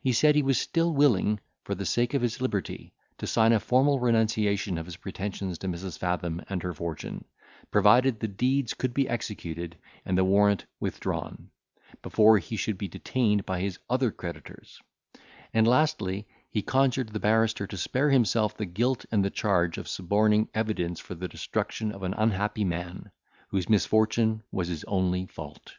He said he was still willing, for the sake of his liberty, to sign a formal renunciation of his pretensions to Mrs. Fathom and her fortune, provided the deeds could be executed, and the warrant withdrawn, before he should be detained by his other creditors; and, lastly, he conjured the barrister to spare himself the guilt and the charge of suborning evidence for the destruction of an unhappy man, whose misfortune was his only fault.